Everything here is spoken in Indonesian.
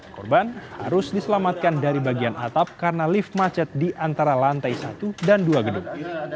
korban harus diselamatkan dari bagian atap karena lift macet di antara lantai satu dan dua gedung